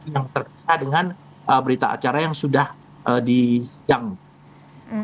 yang terkesah dengan berita acara yang sudah disiapkan